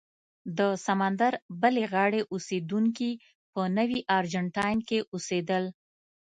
د سمندر بلې غاړې اوسېدونکي په نوي ارجنټاین کې اوسېدل.